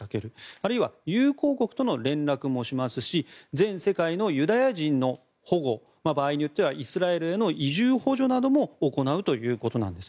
あるいは友好国との連絡もしますし全世界のユダヤ人の保護場合によってはイスラエルへの移住補助なども行うということなんです。